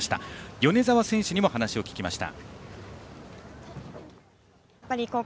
米澤選手にも話を聞きました。